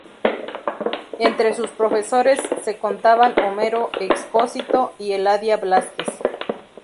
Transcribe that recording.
Entre sus profesores se contaban Homero Expósito y Eladia Blázquez.